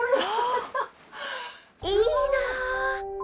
いいな。